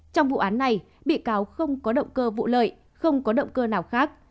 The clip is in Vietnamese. trong vụ án này bị cáo không có động cơ vụ lợi không có động cơ nào khác